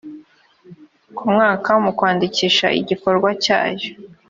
ku mwaka mu kwandikisha igikorwa cyayo